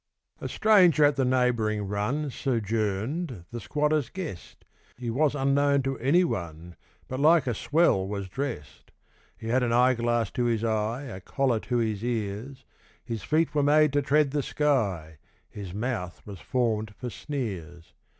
A stranger at the neighb'ring run Sojourned, the squatter's guest, He was unknown to anyone, But like a swell was dress'd; He had an eyeglass to his eye, A collar to his ears, His feet were made to tread the sky, His mouth was formed for sneers.